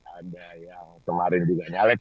ada yang kemarin juga nyalek